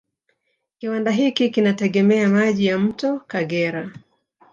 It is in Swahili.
Kiwanda hiki kinategemea maji ya mto Kagera